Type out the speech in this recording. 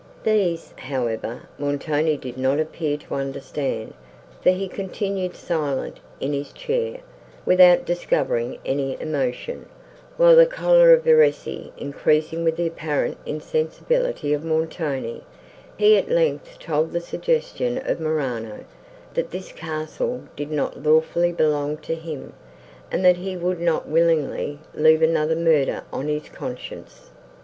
These, however, Montoni did not appear to understand, for he continued silent in his chair, without discovering any emotion, while, the choler of Verezzi increasing with the apparent insensibility of Montoni, he at length told the suggestion of Morano, that this castle did not lawfully belong to him, and that he would not willingly leave another murder on his conscience.